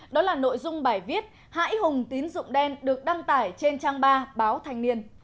đó là nội dung bài viết hãi hùng tín dụng đen được đăng tải trên trang ba báo thanh niên